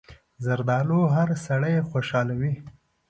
زردالو هر سړی خوشحالوي.